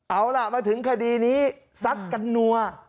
เอาล่ะมาถึงคดีนี้ซัดกันนัว